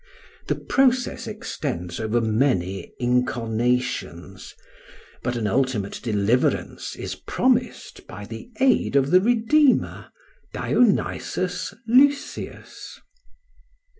The process extends over many incarnations, but an ultimate deliverance is promised by the aid of the redeemer Dionysus Lysius.